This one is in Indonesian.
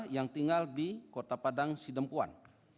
yang tinggal di kota padang sidempuan